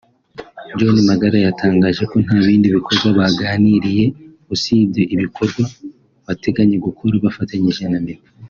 John Magara yatangaje ko nta bindi baganiriye usibye ibikorwa bateganya gukora bafatanyije na Meddy